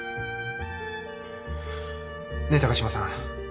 ねえ高島さん。